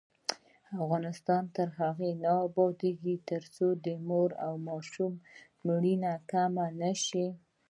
افغانستان تر هغو نه ابادیږي، ترڅو د مور او ماشوم مړینه کمه نشي.